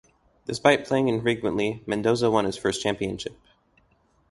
Despite playing infrequently, Mendoza won his first championship.